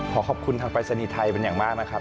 ขอขอบคุณทางปรายศนีย์ไทยเป็นอย่างมากนะครับ